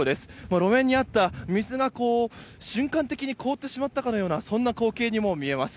路面にあった水が、瞬間的に凍ってしまったかのようなそんな光景にも見えます。